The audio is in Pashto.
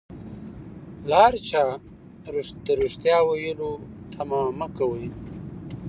له هر چا د ريښتيا ويلو تمه مکوئ